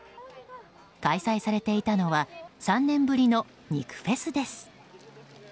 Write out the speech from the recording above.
開催されていたのは３年ぶりの肉フェスです。